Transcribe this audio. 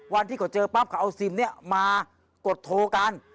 วันที่เขาเจอปั๊บเขาเอาซิมเนี่ยมากดโทรกัน